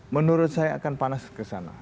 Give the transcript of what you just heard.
menurut saya akan panas kesana